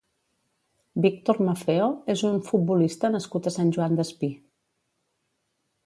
Víctor Maffeo és un futbolista nascut a Sant Joan Despí.